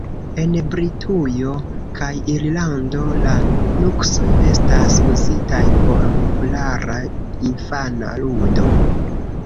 En Britujo kaj Irlando, la nuksoj estas uzitaj por populara infana ludo.